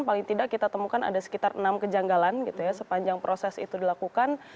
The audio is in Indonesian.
paling tidak kita temukan ada sekitar enam kejanggalan gitu ya sepanjang proses itu dilakukan